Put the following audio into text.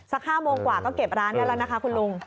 ๕โมงกว่าก็เก็บร้านได้แล้วนะคะคุณลุง